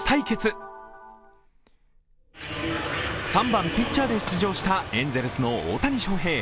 ３番・ピッチャーで出場したエンゼルスの大谷翔平。